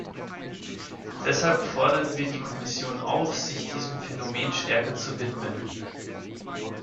Deshalb fordern wir die Kommission auf, sich diesem Phänomen stärker zu widmen.